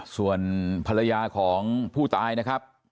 ส่วนภรรยาของผู้ตายนะครับ